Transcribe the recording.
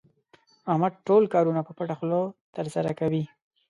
احمد ټول کارونه په پټه خوله ترسره کوي.